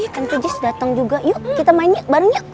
tentu jis dateng juga yuk kita main yuk bareng yuk